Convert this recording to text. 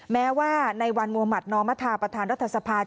แม้ว่าในวันมวมหมัดนมประธานรัฐสภาคม